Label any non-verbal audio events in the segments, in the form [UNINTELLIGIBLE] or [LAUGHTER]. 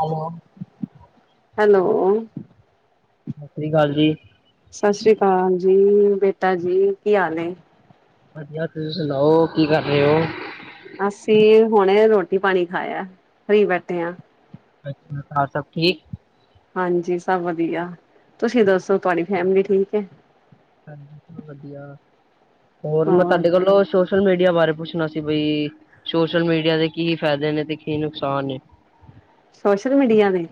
Hello, hello, ਸਤਿ ਸ਼੍ਰੀ ਅਕਾਲ ਜੀ, ਸਤਿ ਸ੍ਰੀ ਅਕਾਲ ਜੀ, ਬੇਟਾ ਜੀ ਕੀ ਹਾਲ ਐ? ਵਧੀਆ, ਤੁਸੀਂ ਸੁਣਾਓ ਕੀ ਕਰ ਰਹੇ ਹੋ? ਅਸੀਂ ਹੁਣੇ ਰੋਟੀ ਪਾਣੀ ਖਾਇਆ, ਫਰੀ ਬੈਠੇ ਹਾਂ। ਅੱਛਾ, ਸਭ ਠੀਕ ਹਾਂਜੀ ਸਭ ਵਧੀਆ, ਤੁਸੀਂ ਦੱਸੋ ਤੁਹਾਡੀ ਫੈਮਿਲੀ ਠੀਕ ਏ? ਹਾਂਜੀ ਸਬ ਵਦੀਆ, ਓਰ ਮੈਂ ਹੋਰ ਤਾਡੇ ਕੋਲੋਂ ਸੋਸ਼ਲ ਮੀਡੀਆ ਬਾਰੇ ਪੁੱਛਨਾ ਸੀ? ਬਈ ਸੋਸ਼ਲ ਮੀਡੀਆ ਦੇ ਕੀ ਫਾਏਦੇ ਨੇ ਤੇ ਕੀ ਨੁਕਸਾਨ ਨੇ? ਸੋਸ਼ਲ ਮੀਡੀਆ ਨੇ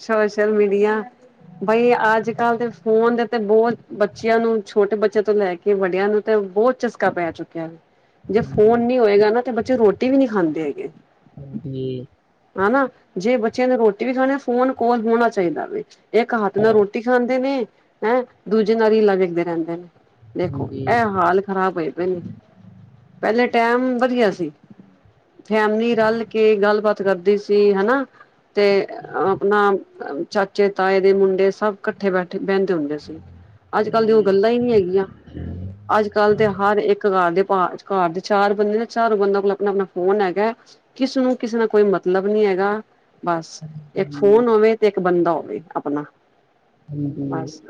ਸੋਸ਼ਲ ਮੀਡੀਆ ਬਈ ਅੱਜ-ਕੱਲ ਦੇ ਫੋਨ ਦੇ ਤੇ ਬੋਤ ਬੱਚੇਆਂ ਨੂੰ, ਛੋਟੇ ਬੱਚੇਆਂ ਤੋਂ ਲੈ ਕੇ ਵੱਡੇਆਂ ਨੂੰ ਤੇ ਬੋਤ ਚਸਕਾ ਪੈ ਚੁੱਕਿਆ। ਜੇ ਹਾਂਜੀ, ਫੋਨ ਨੀ ਹੋਏਗਾ, ਨਾ ਤੇ ਬੱਚੇ ਰੋਟੀ ਵੀ ਨੀ ਖਾਂਦੇ ਹੈਗੇ। ਹਾਂਜੀ, ਹਨਾ ਜੇ ਬੱਚਿਆਂ ਨੂੰ ਰੋਟੀ ਵੀ ਖਾਣੀ ਫੋਨ ਕਲ ਹੋਣਾ ਚਾਹੀਦਾ। ਇੱਕ ਹੱਥ ਨਾਲ ਰੋਟੀ ਖਾਂਦੇ ਨੇ ਹੈਂ, ਦੂਜੇ ਨਾਲ ਰੀਲਾ ਦੇਖਦੇ ਰਹਿੰਦੇ ਨੇ। ਦੇਖੋ ਹਾਂਜੀ। ਇਹ ਹਾਲ ਖ਼ਰਾਬ ਹੋਏ ਪਏ, ਨੇ ਪਹਿਲੇ ਟੈਮ ਵਧੀਆ ਸੀ। ਫੈਮਲੀ ਰਲ ਕੇ ਗੱਲਬਾਤ ਕਰਦੀ ਸੀ ਹਨਾ। ਤੇ ਆਪਣਾ ਚਾਚੇ ਤਾਏ ਦੇ ਮੁੰਡੇ ਸਭ ਇਕੱਠੇ ਬੈਠੇ ਬਹਿੰਦੇ ਹੁੰਦੇ ਸੀ। ਅੱਜ-ਕੱਲ, ਦੀ ਉਹ ਗੱਲਾਂ ਹੀ ਨੀ ਹੈਗੀਆਂ। ਹ ਅੱਜ-ਕੱਲ ਦੇ ਹਰ ਇੱਕ ਘਰ ਦੇ ਘਰ ਦੇ ਚਾਰ ਬੰਦੇ ਚਾਰੋ ਬੰ ਕੋਲ ਆਪਣਾ ਆਪਣਾ ਫੋਨ ਹੈਗਾ। ਕਿਸਨੂੰ ਕਿਸੇ ਨਾਲ ਕੋਈ ਮਤਲਬ ਨੀ ਹੈਗਾ। ਬਸ ਇੱਕ ਫੋਨ ਹੋਵੇ, ਤੇ ਇੱਕ ਬੰਦਾ ਹੋਵੇ ਆਪਣਾ ਹਾਂਜੀ, ਬਸ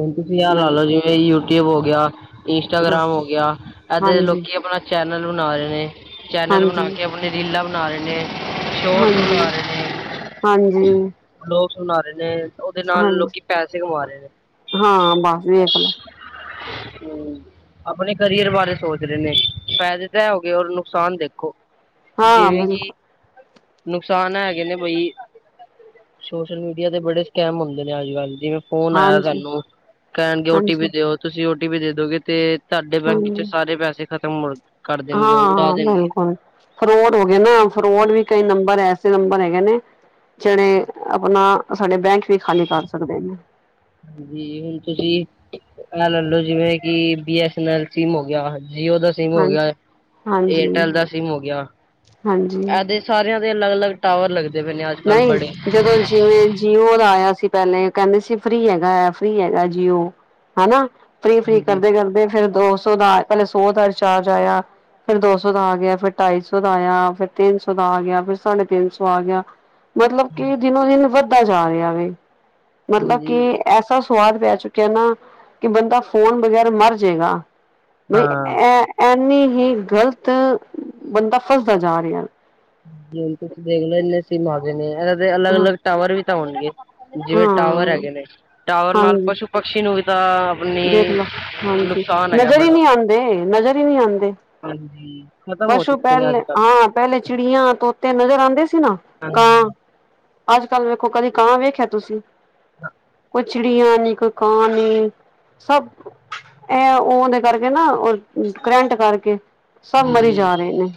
ਹੁਣ ਤੁਸੀਂ ਯਾਰ ਹਾਂ ਲਾ ਲਓ, ਜਿਵੇਂ ਯੂਟਿਊਬ ਹੋ ਗਿਆ। ਇੰਸਟਾਗ੍ਰਾਮ ਹੋ ਗਿਆ, ਇੱਦਾਂ ਦੇ ਹਾਂਜੀ। ਲੋਕੀ ਆਪਣਾ ਚੈਨਲ ਬਣਾ ਰਹੇ ਨੇ ਚੈਨਲ ਬਣਾ ਹਾਂਜੀ, ਕੇ। ਆਪਣੇ ਰੀਲਾਂ ਬਣਾ ਰਹੇ ਨੇ, ਸ਼ੋਰਟਸ ਹਾਂਜੀ-ਹਾਂਜੀ, ਲੋਕ ਸੁਣਾ ਰਹੇ, ਨੇ ਉਹਦੇ ਨਾਲ ਲੋਕੀ ਪੈਸੇ ਕਮਾ ਰਹੇ ਨੇ। ਹਾਂ ਬਸ ਵੇਖ ਲੋ ਹੂੰ, ਆਪਣੇ ਕਰੀਅਰ ਬਾਰੇ ਸੋਚ ਰਹੇ ਨੇ, ਫ਼ਾਇਦੇ ਤਾਂ ਹੈ ਗਏ ਔਰ ਨੁਕਸਾਨ ਦੇਖੋ ਹਾਂ ਜਿਵੇਂ ਕਿ, ਬਿਲਕੁਲ ਨੁਕਸਾਨ ਹੈਗੇ ਨੇ ਬਈ। ਸੋਸ਼ਲ ਮੀਡੀਆ ਤੇ ਬੜੇ ਸਕੈਮ ਹੁੰਦੇ ਨੇ, ਅੱਜ-ਕੱਲ੍ਹ ਫੋਨ ਆਇਆ ਹਾਂਜੀ, ਸਾਨੂੰ ਕਹਿਣਗੇ, ਓਟੀ ਹਾਂਜੀ, ਪੀ ਦਿਓ ਤੁਸੀਂ ਓ ਟੀ ਪੀ ਦੇ ਦੋਗੇ ਤੇ। ਤੁਹਾਡੇ ਬੈਂਕ ਚ ਹਾਂਜੀ। ਸਾਰੇ ਪੈਸੇ ਖਤਮ ਕਰ ਦੇਣਗੇ ਉਹ ਉਡਾ ਹਾਂ ਦੇਣਗੇ ਬਿਲਕੁਲ ਫਰੋਡ ਹੋ ਗਏ, ਨਾ ਫਰੋਡ ਵੀ ਕਈ ਨੰਬਰ ਐਸੇ ਨੰਬਰ ਹੈਗੇ ਨੇ। ਜਣੇ ਆਪਣਾ ਸਾਡੇ ਬੈਂਕ ਵੀ ਖਾਲੀ ਕਰ ਸਕਦੇ ਨੇ, ਹਾਂਜੀ ਹੁਣ ਤੁਸੀਂ, ਆ ਲੈ ਲੋ ਜਿਵੇਂ, ਕਿ B S N L seam ਹੋ ਗਿਆ ਜੀਓ ਦਾ ਸਮ ਹੋ ਹਾਂਜੀ। ਗਿਆ, ਹਾਂਜੀ, ਏਅਰਟੈਲ ਦਾ ਸਿੰਮ ਹੋ ਗਿਆ ਹਾਂਜੀ ਇਹਦੇ, ਸਾਰਿਆਂ ਦੇ ਅਲੱਗ-ਅਲੱਗ ਟਾਵਰ ਲੱਗਦੇ ਪਏ ਨੇ ਅੱਜ-ਕੱਲ੍ਹ ਨਹੀਂ ਬੜੇ- ਜਦੋਂ ਜਿਵੇਂ ਜੀਓ ਦਾ ਆਇਆ ਸੀ, ਪਹਿਲੇ ਕਹਿੰਦੇ ਸੀ ਫ੍ਰੀ ਹੈਗਾ ਹੈ ਫੀ ਹੈਗਾ ਜੀਓ। ਹਨਾ ਫ੍ਰੀ-ਫ੍ਰੀ ਹਾਂਜੀ-ਹਾਂਜੀ। ਕਰਦੇ ਕਰਦੇ ਫਿਰ ਦੋ ਸੌ ਦਾ ਪਹਿਲੇ ਸੋ ਦਾ ਰਿਚਾਰਜ ਆਇਆ। ਫਿਰ ਦੋ ਸੌ ਦਾ ਆ ਗਿਆ ਫਿਰ ਢਾਈ ਸੌ ਦਾ ਆਇਆ ਫਿਰ ਤਿੰਨ ਸੌ ਦਾ ਆ ਗਿਆ ਫਿਰ ਸਾਢੇ ਤਿੰਨ ਸੌ ਆ ਗਿਆ। ਮਤਲਬ ਕਿ ਦਿਨੋ ਦਿਨ ਵੱਧਦਾ ਜਾ ਰਿਹਾ ਵ ਮਤਲਬ ਕਿ। ਐਸਾ ਸੁਵਾਦ ਪੈ ਚੁੱਕਿਆ ਨਾ ਕਿ ਬੰਦਾ ਫ਼ੋਨ ਬਗੈਰ ਮਰ ਜੇਗਾ। ਬਈ ਹਾਂ। ਇਹ ਇੰਨੀ ਹੀ ਗ਼ਲਤ ਬੰਦਾ ਫਸਦਾ ਜਾ ਰਿਹਾ। ਜ ਹੁਣ ਤੁਸੀਂ ਦੇਖਲਓ ਇੰਨੇ ਸਿੰਮ ਆ ਗਏ ਨੇ ਇਹਨਾਂ ਦੇ ਅਲੱਗ ਹਾਂ ਅਲੱਗ ਟਾਵਰ ਵੀ ਤਾਂ ਹੋਣਗੇ। ਜਿਵੇਂ ਟਾਵਰ ਹਾਂ ਹੈਗੇ ਨੇ ਟਾਵਰ ਨਾਲ ਪਸ਼ੂ ਪਕਸ਼ੀ ਨੂੰ ਵੀ ਤਾਂ। ਆਪਣੀ ਦੇਖ ਲਓ ਹਾਂਜੀ ਨੁਕਸਾਨ ਹੈਗਾ ਨਜ਼ਰ ਹੀ ਬੜਾ ਨਹੀਂ ਆਉਂਦੇ ਨਜ਼ਰ ਹੀ ਨਹੀਂ ਆਉਂਦੇ। ਹਾਂਜੀ ਖਤਮ ਹੋ ਪਸ਼ੂ ਚੁੱਕੇ ਨੇ ਪਹਿਲੇ ਅੱਜ-ਕੱਲ੍ਹ ਹਾਂ ਪਹਿਲੇ ਚਿੜੀਆਂ ਤੋਤੇ ਨਜ਼ਰ ਆਉਂਦੇ ਸੀ ਨਾ ਕਾਂ। ਅੱਜ ਕੱਲ ਵੇਖੋ ਕਦੀ ਕਾਂ ਵੇਖਿਆ ਤੁਸੀਂ। ਕੋਈ ਚਿੜੀਆਂ ਨੀ ਕੋਈ ਕਾਂ ਨੀ। ਸਭ ਇਹ ਓ ਦੇ ਕਰਕੇ ਨਾ ਓ ਕਰੰਟ ਕਰਕੇ ਸਭ ਮਰੀ ਜਾ ਰਹੇ ਨੇ।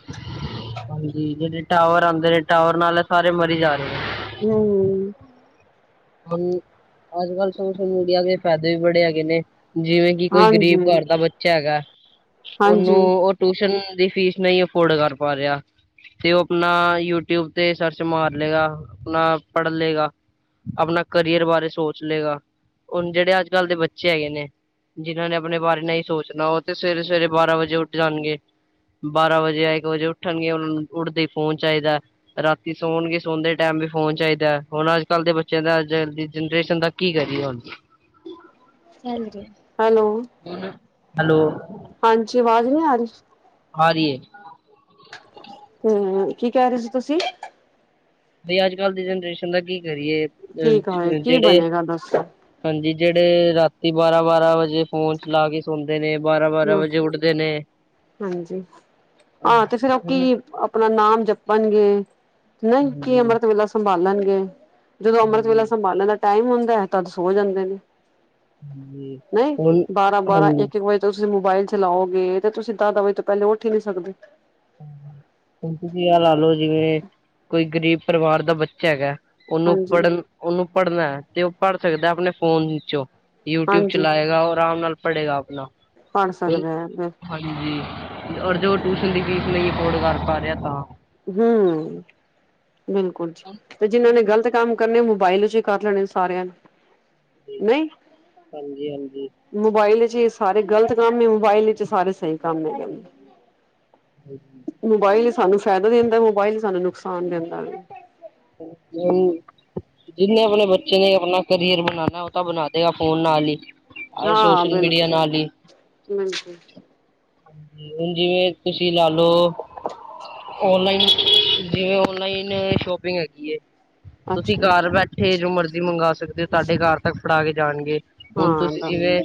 ਹਾਂਜੀ ਜਿਹੜੇ ਟਾਵਰ ਆਉਂਦੇ ਨੇ ਟਾਵਰ ਨਾਲ ਸਾਰੇ ਮਰੀ ਜਾ ਰਹੇ ਨੇ। ਹੂੰ ਅੱਜ-ਕੱਲ ਸੋਸ਼ਲ ਮੀਡੀਆ ਦੇ ਫਾਇਦੇ ਵੀ ਬੜੇ ਹੈਗੇ ਨੇ ਜਿਵੇਂ ਕੀ ਕੋਈ ਗਰੀਬ ਹਾਂਜੀ ਘਰ ਦਾ ਬੱਚਾ ਹੈਗਾ ਉਹਨੂੰ ਹਾਂਜੀ ਉਹ ਟਿਊਸ਼ਨ ਦੀ ਫੀਸ ਨਹੀਂ, ਅਫੋਰਡ ਕਰ ਪਾ ਰਿਹਾ। ਤੇ ਉਹ ਆਪਣਾ ਯੂਟਿਊਬ ਤੇ ਸਰਚ ਮਾਰ ਲਏਗਾ, ਆਪਣਾ ਪੜ੍ਹ ਲਏਗਾ। ਆਪਣਾ ਕਰੀਅਰ ਬਾਰੇ ਸੋਚ ਲਏਗਾ, ਹੁਣ ਜਿਹੜੇ ਅੱਜ-ਕੱਲ੍ਹ ਦੇ ਬੱਚੇ ਹੈਗੇ ਨੇ ਜਿਨਾਂ ਨੇ ਆਪਣੇ ਬਾਰੇ ਨਹੀਂ ਸੋਚਣਾ, ਉਹ ਤੇ ਸਵੇਰੇ-ਸਵੇਰੇ ਬਾਰਾਂ ਵਜੇ ਉੱਠ ਜਾਣਗੇ। ਬਾਹਰਾਂ ਵਜੇ ਯਾ ਇੱਕ ਵਜੇ ਉੱਠਣਗੇ ਉਹਨਾਂ ਨੂੰ ਉੱਡਦੇ ਹੀ ਫੋਨ ਚਾਹੀਦਾ। ਰਾਤੀ ਸੌਣਗੇ ਸੋਣ ਦੇ ਟਾਈਮ ਵੀ ਫੋਨ ਚਾਹੀਦਾ ਹੁਣ ਅੱਜ ਕੱਲ੍ਹ ਦੇ ਬੱ ਚਿਆਂ ਦਾ ਅੱਜ ਕਲ ਦੀ ਜਨਰੇਸ਼ਨ ਦਾ ਕੀ ਕਰੀਏ ਹੁਣ। ਹੈਲੋ ਜੀ ਹੈਲੋ। ਹੈਲੋ। ਹਾਂਜੀ ਆਵਾਜ਼ ਨਹੀਂ ਆ ਰਹੀ। ਆ ਰੀ ਐ। ਆ ਕੀ ਕਹਿ ਰਹੇ ਸੀ ਤੁਸੀਂ। ਤੇ ਅੱਜ ਕੱਲ੍ਹ ਦੀ ਜਨਰੇਸ਼ਨ ਦਾ ਕੀ ਕਰੀਏ ਅ ਕੀ ਕਹੇ ਕੀ ਜਿਹੜੇ ਬਣੇਗਾ ਦੱਸੋ ਹਾਂਜੀ ਜਿਹੜੇ ਰਾਤੀ ਬਾਰਾ-ਬਾਰਾ ਵਜੇ ਫੋਨ ਲਾ ਕੇ ਸੌਦੇ ਨੇ ਬਾਰਾ-ਬਾਰਾ ਵਜੇ ਉੱਠਦੇ ਨੇ। ਹਾਂਜੀ। ਹਾਂ ਤੇ ਫੇਰ ਉਹ ਹੁਣ ਕੀ ਆਪਣਾ ਨਾਮ ਜਪਣਗੇ ਨਹੀਂ ਕਿ ਹਾਂਜੀ ਹਾਂਜੀ ਅੰਮ੍ਰਿਤ ਵੇਲਾ ਸੰਭਾਲਣਗੇ। ਜਦੋਂ ਅੰਮ੍ਰਿਤ ਵੇਲਾ ਹਾਂਜੀ ਸੰਭਾਲਣ ਦਾ ਟਾਈਮ ਹੁੰਦਾ ਹੈ ਤਦ ਸੋ ਜਾਂਦੇ ਨੇ। ਨਹੀਂ ਹੁਣ ਬਾਰਾ-ਬਾਰਾ ਹਾਂਜੀ ਇੱਕ ਇੱਕ ਵਜੇ ਤੁਸੀਂ ਮੋਬਾਇਲ ਚਲਾਓਗੇ ਤੇ ਤੁਸੀ ਦਾਹ-ਦਾਹ ਵਜੇ ਤੋਂ ਪਹਿਲੇ ਉੱਠ ਹੀ ਨੀ ਸਕਦੇ। ਹੁਣ ਤੁਸੀ ਹਾਲ ਏ ਲਓ ਜਿਵੇਂ ਕੋਈ ਗਰੀਬ ਪਰਿਵਾਰ ਦਾ ਬੱਚਾ ਉਹਨੂੰ ਹਾਂਜੀ ਪੜ੍ਹਨ ਉਹਨੂੰ ਪੜ੍ਹਨਾ ਤੇ ਉਹ ਪੜ੍ਹ ਸਕਦਾ ਆਪਣੇ ਫੋਨ ਵਿੱਚੋਂ। ਯੂ ਟੀਊਬ ਚਲਾਏਗਾ ਉਹ ਆਰਾਮ ਨਾਲ ਪੜੇਗਾ ਆਪਨਾ। ਬਣ ਸਕਦਾ ਹੈ। ਹਾਂਜੀ ਔਰ ਜੋ ਟਿਊਸ਼ਨ ਦੀ ਫੀਸ ਨਹੀਂ ਅਫੋਰਡ ਕਰ ਪਾ ਰਿਹਾ ਤਾਂ। ਹਮ ਬਿਲਕੁਲ ਜੀ ਤੇ ਜਿਨਾਂ ਜਿਹੜੇ ਨੇ ਗ਼ਲਤ ਕੰਮ ਕਰਨੇ ਮੋਬਾਇਲ ਚ ਹੀ ਕਰ ਲੈਣੇ ਸਾਰਿਆਂ ਨੇ। ਜੀ ਨਹੀਂ ਹਾਂਜੀ-ਹਾਂਜੀ। ਮੋਬਾਇਲ ਇਚ ਹੀ ਸਾਰੇ ਗ਼ਲਤ ਕੰਮ ਮੋਬਾਇਲ ਇਚ ਸਾਰੇ ਸਹੀ ਕੰਮ ਹੈਗੇ ਨੇ। ਹਾਂਜੀ [INAUDIBLE] ਮੋਬਾਇਲ ਹੀ ਫਾਇਦਾ ਦਿੰਦਾ ਮੋਬਾਈਲ ਹੀ ਸਾਨੂੰ ਨੁਕਸਾਨ ਦਿੰਦਾ ਵੇ। ਜਿੰਨੇ ਆਪਣੇ ਬੱਚੇ ਨੇ ਆਪਨਾ ਕਰੀਅਰ ਬਣਾਉਣਾ ਉਹ ਤਾਂ ਬਣਾ ਦੇਗਾ ਫੋਨ ਨਾਲ ਹੀ। ਆਏ ਹਾਂ ਸੋਸ਼ਲ ਬਿਲਕੁਲ ਮੀਡੀਆ ਨਾਲ ਈ ਬਿਲਕੁਲ ਹੁਣ ਜਿਵੇਂ ਤੁਸੀਂ ਲਾ ਲੋ ਔਨਲਾਈਨ ਜਿਵੇਂ ਔਨਲਾਈਨ ਸ਼ੋਪਿੰਗ ਹੈਗੀ ਤੁਸੀਂ ਅੱਛਾ ਜੀ ਘਰ ਬੈ ਥੇ ਜੋ ਮਰਜ਼ੀ ਮੰਗਵਾ ਸਕਦੇ ਹੋ ਤੁਹਾਡੇ ਘਰ ਤੱਕ ਫੜਾ ਕੇ ਜਾਣਗੇ ਹੁਣ ਤੁਸੀਂ ਹਾਂ ਜਿਵੇਂ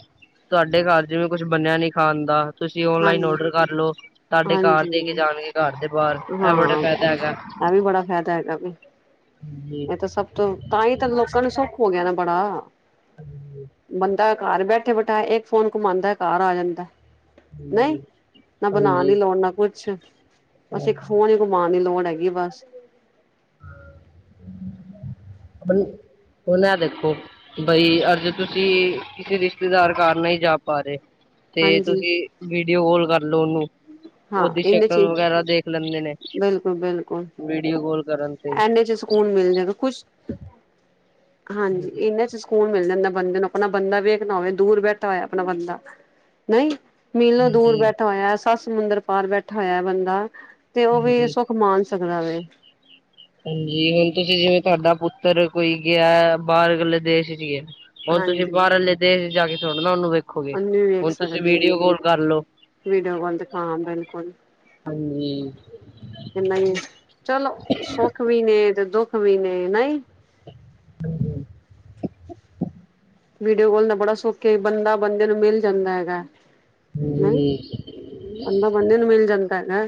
ਤੁਹਾਡੇ ਘਰ ਚ ਵੀ ਕੁੱਛ ਬੰਣਿਆ ਨੀ ਖਾਨ ਦਾ ਤੁਸੀਂ ਔਨਲਾਈਨ ਹਾਂਜੀ ਔਡਰ ਕਾਰਲੋ ਤੁਹਾਡੇ ਘਰ ਦੇ ਕੇ ਹਾਂਜੀ ਜਾਣਗੇ ਘਰ ਦੇ ਬਾਹਰ ਇਹ ਬੜਾ ਫਾਇਦਾ ਹੈਗਾ। ਐਵੀ ਬੜਾ ਫਾਇਦਾ ਹੈਗਾ ਵੀ। ਜੀ ਇਹ ਤਾਂ ਸਭ ਤੋਂ ਤਾਂ ਹੀ ਤਾਂ ਲੋਕਾਂ ਨੂੰ ਸੁੱਖ ਹੋ ਗਿਆ ਨਾ ਬੜਾ ਬੰ ਘਰ ਬੈਠੇ ਬਿਠਾਏ ਇੱਕ ਫੋਨ ਘੁਮਾਂਦਾ ਘਰ ਆ ਜਾਂਦਾ। ਨਹੀਂ ਬਣਾਉਣ ਦੀ ਲੋੜ ਹਾਂਜੀ। ਨਾ ਕੁਛ ਅਸੀਂ ਫੋਨ ਘੁੰਮਾਉਣ ਦੀ ਲੋੜ ਹੈਗੀ ਆ ਬਸ ਓਨ ਉਹਨਾਂ ਦੇਖੋ ਬਈ ਅੱਜ ਤੁਸੀਂ ਕਿਸੇ ਰਿਸ਼ਤੇਦਾਰ ਘਾਰ ਨਹੀਂ ਹੀ ਜਾ ਪਾ ਰਹੇ ਤੇ ਹਾਂਜੀ ਤੁਸੀਂ ਵੀਡੀਓ ਕਾਲ ਕਰ ਲਉ ਉਹਨੂੰ। ਹਾਂ ਓਦੀ ਇਹਨੇ ਸ਼ਕਲ ਚ ਵਗੈਰਾ ਦੇਖ ਲੈਂਦੇ ਨੇ ਬਿਲਕੁਲ ਬਿਲਕੁਲ ਵੀਡੀਓ ਕਾਲ ਕਰਨ ਤੇ। ਇਨੇ ਸਕੂਨ ਮਿਲ ਜਾਏਗਾ ਕੁਛ ਹਾਂਜੀ ਇਹਨਾਂ ਚ। ਸਕੂਨ ਮਿਲ ਜਾਂਦਾ ਬੰਦੇ ਨੂੰ ਆਪਣਾ ਬੰਦਾ ਵੇਖ ਨਾ ਹੋਵੇ ਦੂਰ ਬੈਠਾ ਹੋਇਆ ਆਪਣਾ ਬੰਦਾ। ਨਹੀਂ ਮੀਲੋਂ ਦੂਰ ਹਾਂਜੀ ਬੈਠਾ ਹੋਇਆ ਸੱਸ ਸਮੁੰਦਰ ਪਾਰ ਬੈਠਾ ਹੋਇਆ ਬੰਦਾ। ਤੇ ਉਹ ਵੀ ਹਾਂਜੀ ਸੁੱਖ ਮਾਣ ਸਕਦਾ ਵੇ। ਹਾਂਜੀ ਹੁਣ ਤੁਸੀਂ ਜਿਵੇਂ ਤੁਹਾਡਾ ਪੁੱਤਰ ਕੋਈ ਗਿਆ ਬਾਹਰ ਲੇ ਦੇਸ਼ ਚ ਜੀ ਹੁਣ ਤੁਸੀਂ ਹਾਂਜੀ ਬਾਹਰਲੇ ਦੇਸ਼ ਜਾ ਕੇ ਥੋੜ੍ਹਾ ਉਹਨੂੰ ਵੇਖੋ ਗੇ ਉਹਨੂੰ ਵੀ ਰਖੋਗੇ ਵੇਖ ਹੁਣ ਤੁਸੀਂ ਸਕਦੇ ਵੀਡੀਓ ਕਾਲ ਕਰਲੋ ਵੀਡੀਓ ਕਾਲ ਤੇ ਹਾਂ ਬਿਲਕੁਲ ਹਾਂਜੀ ਨਹੀਂ ਚਲੋ ਸੁੱਖ ਵੀ ਨੇ ਤੇ ਦੁੱਖ ਵੀ ਨੇ ਨਹੀਂ ਹੂੰ ਵੀਡੀਓ ਕੋਲ ਦਾ ਬੜਾ ਸੁਖ ਹੈਗਾ ਬੰਦਾ ਬੰਦੇ ਨੂੰ ਮਿਲ ਜਾਂਦਾ ਹੈਗਾ ਜੀ ਨਹੀਂ ਬੰਦਾ ਬੰਦੇ ਨੂੰ ਮਿਲ ਜਾਂਦਾ ਹੈਗਾ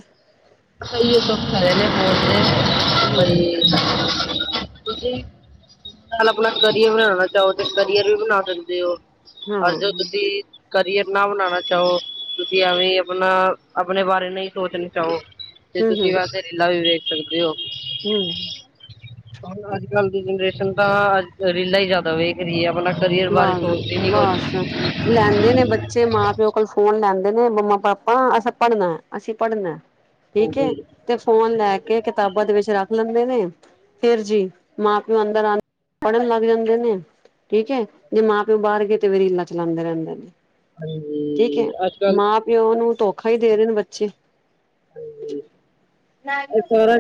ਸਹੀੱ ਤਾਂ ਸਾਰੇ ਨੇ ਬੋਲਦੇ ਹਾਂ ਬੜੀ ਤੁਸੀਂ ਆਪਣਾ ਕਰੀਅਰ ਬਣਾਉਣਾ ਚਾਹੋ ਤੇ ਕਰੀਅਰ ਵੀ ਬਣਾ ਸਕਦੇ ਹੋ ਹਾਂ ਅੱਜ ਤੁਸੀਂ ਕਰੀਅਰ ਨਾ ਬਣਾਉਣਾ ਚਾਹੋ ਤੁਸੀਂ ਐਵੇਂ ਆਪਣਾ ਆਪਣੇ ਬਾਰੇ ਨਹੀਂ ਸੋਚਣਾ ਚਾਹੋ ਤੇ ਹੂੰ ਤੁਸੀਂ ਹੂੰ ਵਾਸਤੇ ਰੀਲਾ ਵੀ ਵੇਖ ਸਕਦੇ ਹੋ ਹੂੰ ਹੁਣ ਅੱਜ ਕੱਲ ਦੀ ਜਨਰੇਸ਼ਨ ਤਾਂ ਰੀਲਾਾਂ ਹੀ ਜ਼ਿਆਦਾ ਵੇਖ ਰਹੀਏ ਆਪਣਾ ਕਰੀਅਰ ਬਾਰੇ ਸੋਚਦੀ ਨੀ ਕੁਛ ਗਿਲ ਹਾਂਜੀ ਕਿਤਾਬਾਂ ਦੇ ਵਿੱਚ ਰੱਖ ਲੈਂਦੇ ਨੇ ਫੇਰ ਜੀ ਮਾਂ ਪਿਓ ਅੰਦਰ ਆ ਪੜ੍ਹਨ ਲੱਗ ਜਾਂਦੇ ਨੇ ਜੇ ਮਾਂ ਪਿਓ ਬਾਹਰ ਗਏ ਤੇ ਵ ਰੀਲਾ ਚਲਾਉਂਦੇ ਰਹਿੰਦੇ ਨੇ ਠੀਕ ਹੈ ਹਾਂਜੀ ਅੱਜ ਕੱਲ ਮਾਂ ਪਿਓ ਨੂੰ ਧੋਖਾ ਹੀ ਦੇ ਰਹੇ ਨੇ ਬੱਚੇ ਆਈਫਾ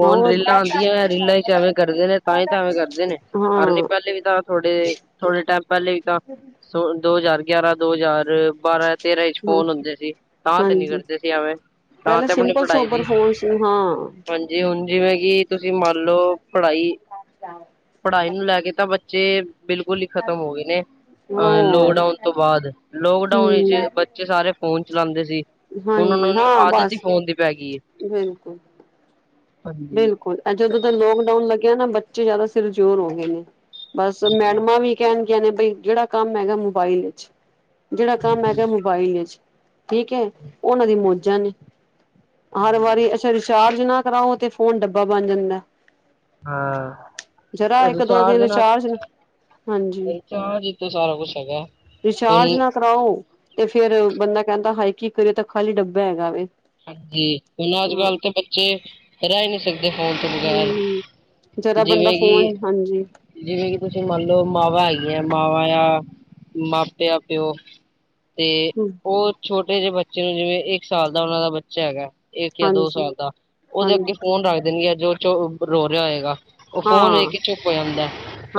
ਹੁਣ ਹੋਰ ਰੀਲਾਂ ਕੀ ਆਉਂਦੀਆਂ ਰੀਲਾਂ ਚ ਹਾਂ ਹਰ ਨੀ ਹਾਂ ਪਹਿਲੇ ਵੀ ਤਾਂ ਥੋੜੇ ਸੋ ਦੋ ਹਜ਼ਾਰ ਗਿਆਰਾਂ ਚ ਤੇ ਹਾਂਜੀ ਐਵੇਂ ਤਾਂ ਪਹਿਲਾਂ ਆਪਣੀ ਸਿੰਪਲ ਪੜ੍ਹਾਈ ਦੀ ਸੋਬਰ ਫੋਨ ਹਾਂ ਹਾਂਜੀ ਜੀ ਹੁਣ ਜਿਵੇਂ ਕਿ ਤੁਸੀਂ ਮੰਨ ਲਓ ਪੜ੍ਹਾਈ ਪੜ੍ਹਾਈ ਨੂੰ ਲੈ ਕੇ ਤਾਂ ਬੱਚੇ ਬਿਲਕੁਲ ਹੀ ਖਤਮ ਹੋ ਗਏ ਨੇ ਅਹ ਲੋਕਡਾਊਨ ਤੋਂ ਹੋਰ ਬਾਅਦ ਲੋਕਡਾਊਨ ਵਿੱਚ ਹੂੰ, ਬਚ ਬੱਚੇ ਸਾਰੇ ਫੋਨ ਚਲਾਉਂਦੇ ਸੀ ਹੁਣ ਹਾਂਜੀ ਉਹਨਾਂ ਨੂੰ ਹਾਂ ਆਦਤ ਹੀ ਬਸ ਫੋਨ ਦੀ ਪੈ ਗਈ ਏ। ਬਿਲਕੁਲ ਹਾਂਜੀ। ਬਿਲਕੁਲ, ਇਹ ਜਦੋਂ ਦਾ ਲੋਕਡਾਊਨ ਲੱਗਿਆ ਨਾ, ਬੱਚੇ ਜਾਦਾ ਸਿਰ ਜੋੋਰ ਹੋ ਗਏ ਨੇ। ਬਸ ਜੀ ਮੈਡਮਾਂ ਵੀ ਕਹਿਣਗੀਆਂ ਨੇ ਬਈ ਜਿਹੜਾ ਕੰਮ ਹੈਗਾ ਮੋਬਾਈਲ ਵਿਚ ਜਿਹੜਾ ਜੀ ਕੰਮ ਜੀ। ਹੈਗਾ ਮੋਬਾਈਲ ਵਿੱਚ ਠੀਕ ਹੈ ਉਹਨਾਂ ਦੀ ਮੌਜਾਂ ਨੇ ਹਰ ਵਾਰੀ ਅੱਛਾ ਰਿੀਚਾਰਜ ਨਾ ਕਰਾਓ ਤੇ ਫੋਨ ਡੱਬਾ ਬਣ ਜਾਂਦਾ ਹਾਂ ਜਰਾ ਅਜੇ ਇੱਕ ਦੋ ਚਾਰ ਦਿਨ ਰਿਚਾਰਜ ਹਾਂਜੀ ਹਾਂ ਜਿੱਥੋਂ ਸਾਰਾ ਕੁਛ ਹੈਗਾ ਹੁਣ ਰਿਚਾਰਜ ਨਾ ਕਰਾਓ ਤੇ ਫੇਿਰ ਬੰਦਾ ਕਹਿੰਦਾ ਹਾਈਕਿੰਗ ਕਰਿਓ ਤਾਂ ਖਾਲੀ ਡੱਬਾ ਹੈਗਾ ਵ ਹਾਂਜੀ ਹੁਣ ਅੱਜ ਕੱਲ ਤੇ ਬੱਚੇ ਰਹਿ ਨਹੀਂੀ ਸਕਦੇ ਤੇ ਫੋਨ ਤੋਂ ਬਗ਼ੈਰ, ਹੂੰ। ਜਰਾ ਬੰਦਾ ਜਿਵੇਂ ਫੋਨ ਹਾਂਜੀ ਕਿ ਜਿਵੇਂ ਕਿ ਤੁਸੀਂ ਮੰਨ ਲਓ ਮਾਵਾਂ ਹੈਗੀਆਂ, ਮਾਵਾਂ ਯਾ ਮਾਪਿਆ, ਪਿਓ ਤੇ ਹੂੰ, ਓ ਛੋਟੇ ਜੇ ਬੱਚੇ ਨੂੰ ਜਿਵੇਂ ਇੱਕ ਸਾਲ ਦਾ ਉਹਨਾਂ ਦਾ ਬੱਚਾ ਹੈਗਾ। ਇੱਕ ਜਾਂ ਦੋ ਹਾਂਜੀ, ਸਾਲ ਦਾ, ਉਹਦੇ ਅੱਗੇ ਹਾਂਜੀ, ਫੋਨ ਰੱਖ ਦੇਨਗੇ, [UNINTELLIGIBLE] ਰੋ ਰੇਆ ਹੋਏਗਾ। ਓ ਫੋਨ ਵੇਖ ਹਾਂ। ਕੇ ਚੁੱਪ ਹੋ ਜਾਂਦਾ ਐ,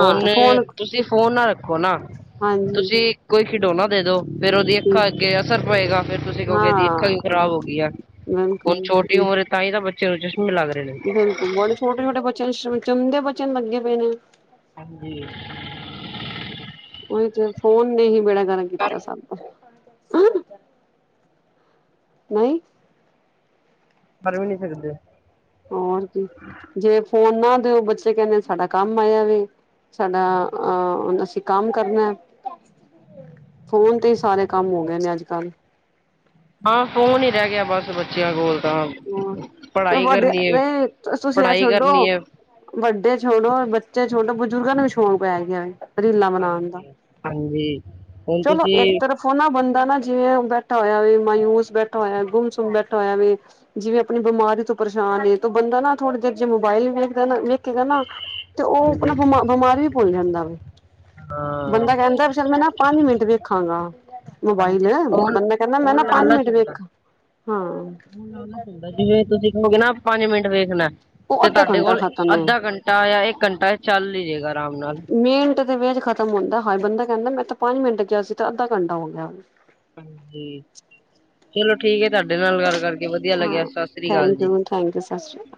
ਹੁਨ ਫੋਨ ਤੁਸੀਂ ਫੋਨ ਨਾ ਰੱਖੋ ਨਾ। ਹਾਂਜੀ, ਤੁਸੀਂ ਕੋਈ ਖਿਡੌਨਾ ਦੇ ਦੋ। ਫੇਰ ਉਹਦੀ ਠੀਕ ਅੱਖਾਂ ਅੱਗੇ ਅਸਰ ਪਏਗਾ ਫੇਰ ਤੁਸੀਂ ਕਹੋਗੇ ਇਹਦੀ ਅੱਖਾਂ ਵੀ ਹਾਂ, ਖਰਾਬ ਹੋ ਗਈ ਆ, ਹੁਣ ਬਿਲਕੁਲ। ਛੋ ਟੀ ਉਮਰ ਤਾਂ ਹੀ ਤਾਂ ਬੱਚਿਆਂ ਨੂੰ ਚਸ਼ਮੇ ਲੱਗਦੇ। ਬਿਲਕੁਲ ਬੜੇ ਛੋਟੇ-ਛੋਟੇ ਬੱਚੇ, ਜਮਦੇ ਬਚਿਆ ਨੂੰ ਲੱਗੇ ਪਏ ਨੇ। ਹਾਂਜੀ। ਓਈ ਤੇ ਫੋਨ ਨੇ ਹੀ ਬੇੜਾ ਗਰਕ ਕੀਤਾ ਸਭ ਦਾ। ਨਈ। [UNINTELLIGIBLE] ਵੀ ਨੀ ਸਕਦੇ। ਹੋਰ ਕੀ, ਜੇ ਫੋਨ ਨਾ ਦਿਓ, ਬੱਚੇ ਕਹਿੰਦੇ ਸਾਡਾ ਕੰਮ ਆਇਆ ਵੇ। ਸਾਡਾ ਅਹ ਅਸੀਂ ਕੰਮ ਕਰਨਾ ਐ। ਫੋਨ ਤੇ ਹੀ ਸਾਰੇ ਕੰਮ ਹੋ ਗਏ ਨੇ ਅੱਜ ਕੱਲ੍ਹ। ਹਾਂ ਫੋਨ ਹੀ ਰਹਿ ਗਿਆ ਬਸ ਬੱ ਬੱਚਿਆਂ ਕੋਲ ਤਾਂ, ਪੜ੍ਹਾਈ ਵੱਡੇ ਕਰਨੀ ਏ, ਨਹੀਂ ਤੁਸੀਂ ਇਹ ਪੜ੍ਹਾਈ ਛੱਡੋ ਕਰਨੀ ਐ। ਵੱਡੇ ਛੋਡੋ, ਬੱਚੇ ਛੋਡੋ, ਬਜ਼ੁਰਗਾਂ ਨੂੰ ਵੀ ਸ਼ੌਕ ਪੈ ਗਿਆ। ਰੀਲਾਂ ਬਨਾਨ ਦਾ, ਹਾਂਜੀ, ਹਾਂਜੀ ਹੁਣ ਚਲੋ ਏਕ ਤੁਸੀਂ ਤਰਫ਼ [UNINTELLIGIBLE] ਨਾ ਬੰਦਾ ਨਾ ਜਿਵੇਂ ਬੈਠਾ ਹੋਇਆ ਵੇ, ਮਾਯੂਸ ਬੈਠਾ ਹੋਇਆ, ਗੁੰਮ ਸੁੁੰਮ ਬੈਠਾ ਹੋਇਆ ਵੇ ਜਿਵੇਂ ਅਪਨੀ ਬਿਮਾਰੀ ਤੋਂ ਪਰੇਸ਼ਾਨ ਏ ਤੇ ਬੰਦਾ ਨਾ ਥੋੜੀ ਦੇਰ ਜੇ ਮੋਬਾਇਲ ਵੇਖਦਾ ਨਾ, ਵੇਖੇਗਾ ਨਾ ਤੇ ਓ ਹਾਂਜੀ ਆਪਨਾ ਬਿਮ ਬਿਮਾਰ ਵੀ ਭੁੱਲ ਜਾਂਦਾ ਵੇ, ਹਾਂ ਬੰਦਾ ਕਹਿੰਦਾ ਬੇਸ਼ੱਕ ਮੈਂ ਨਾ ਪੰਜ ਮਿੰਟ ਵੇ ਖਾਂਗਾ। ਮੋਬਾਈਲ, ਹਾਂਜੀ ਫੋਨ ਬੰਦਾ ਕਹਿੰਦਾ ਮੈਂ ਨਾ ਫੋਨ ਪੰਜ ਲਾਲਚ ਮਿੰਟ ਹੁੰਦਾ ਵੇਖ, ਹਾਂ। ਫੋਨ ਲਾਲਚ ਹੁੰਦਾ ਜਿਵੇਂ ਤੁਸੀਂ ਕਹੋਗੇ ਨਾ, ਪੰਜ ਮਿੰਟ ਵੇਖਨਾ ਉਹ ਤੇ ਅੱਧਾ ਤੁਹਾਡੇ ਘੰਟਾ ਕੋਲ ਖਤਮ ਏ ਅੱਧਾ ਘੰਟਾ ਜਾਂ ਇੱਕ ਘੰਟਾ ਚੱਲ ਹੀ ਜਾਏਗਾ ਆਰਾਮ ਨਾਲ। ਮਿੰਟ [UNINTELLIGIBLE] ਚ ਖਤਮ ਹੁੰਦਾ, ਹਾਏ ਬੰਦਾ ਕਹਿੰਦਾ ਮੈਂ ਤਾਂ ਪੰਜ ਮਿੰਟ ਕਯਾ ਸੀ ਤੇ ਅੱਧਾ ਘੰਟਾ ਹੋ ਗਿਆ। ਹਾਂਜੀ ਚਲੋ ਠੀਕ ਹੈ, ਤੁਹਾਡੇ ਨਾਲ ਗੱਲ ਕਰਕੇ ਵਧੀਆ ਲੱਗਿਆ, ਸਤਿ ਸ੍ਰੀ ਅਕਾਲ ਜੀ। ਹਾਂਜੀ, ਸਤਿ ਸ਼੍ਰੀ।